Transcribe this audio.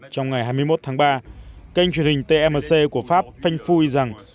trong ngày hai mươi một tháng ba kênh truyền hình tmc của pháp phanh phui rằng